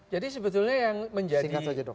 jadi sebetulnya yang menjadi